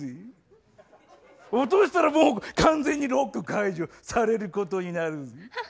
落としたらもう完全にロック解除されることになるぜ。